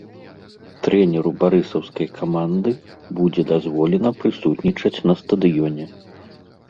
Трэнеру барысаўскай каманды будзе дазволена прысутнічаць на стадыёне.